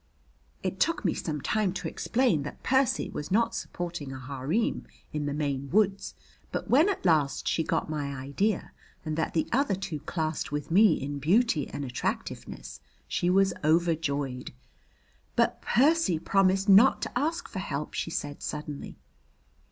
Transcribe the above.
It took me some time to explain that Percy was not supporting a harem in the Maine woods; but when at last she got my idea and that the other two classed with me in beauty and attractiveness, she was overjoyed. "But Percy promised not to ask for help," she said suddenly.